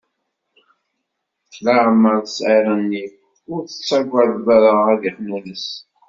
Lemmer tesɛiḍ nnif, ur t-tettaǧǧaḍ ara ad ixnunes.